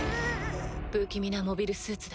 不気味なモビルスーツだ。